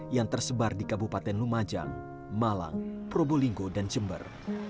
yang tersebar di kabupaten lumajang malang probolinggo dan jember